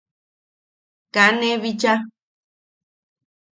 Kaa ne bicha.